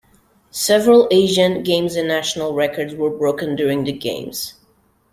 Several Asian, Games and National records were broken during the games.